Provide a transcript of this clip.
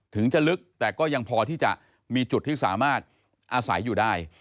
ถึงจะลึกแต่ก็ยังพอที่จะมีจุดที่สามารถอาศัยอยู่ได้